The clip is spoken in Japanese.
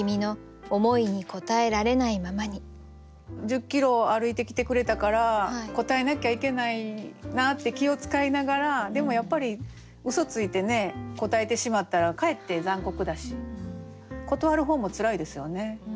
「十キロを歩いてきてくれたから応えなきゃいけないな」って気を遣いながらでもやっぱりうそついて応えてしまったらかえって残酷だし断る方もつらいですよね。